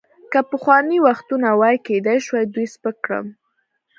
که پخواني وختونه وای، کیدای شوای دوی سپک کړم.